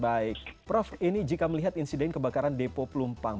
baik prof ini jika melihat insiden kebakaran depo pelumpang